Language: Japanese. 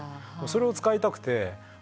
それを使いたくて。